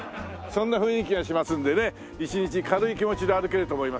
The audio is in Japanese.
そんな雰囲気がしますんでね一日軽い気持ちで歩けると思いますけど。